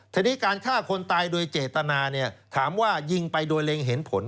ทีนี้การฆ่าคนตายโดยเจตนาถามว่ายิงไปโดยเล็งเห็นผล